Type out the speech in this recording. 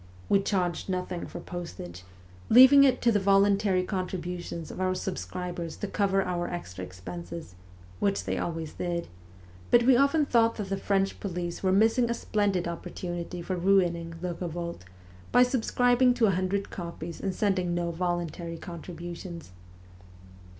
We charged nothing for postage, leaving it to the voluntary contributions of our sub scribers to cover our extra expenses which they always did but we often thought that the French police were missing a splendid opportunity for ruining ' Le Revolte,' by subscribing to a hundred copies and sending no voluntary contributions.